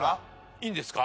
いいんですか？